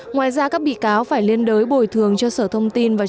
ngoài ra các bị cáo phải liên đối bồi thường cho sở thông tin